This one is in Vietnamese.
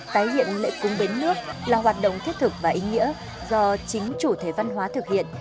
tái hiện lễ cúng bến nước là hoạt động thiết thực và ý nghĩa do chính chủ thể văn hóa thực hiện